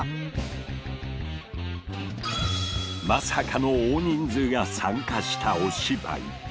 まさかの大人数が参加したお芝居。